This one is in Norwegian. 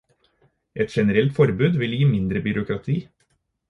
Et generelt forbud vil gi mindre byråkrati.